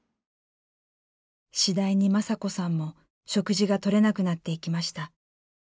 次第に雅子さんも食事がとれなくなっていきました。